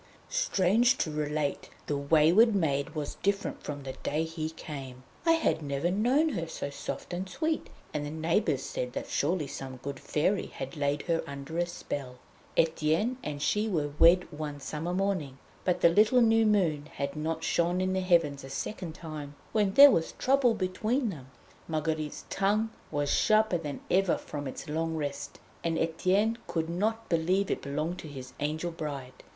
Strange to relate, the wayward maid was different from the day he came. I had never known her so soft and sweet, and the neighbours said that surely some good fairy had laid her under a spell. Etienne and she were wed one summer morning, but the little new moon had not shone in the heavens a second time when there was trouble between them. Marguerite's tongue was sharper than ever from its long rest, and Etienne could not believe it belonged to his 'angel' bride.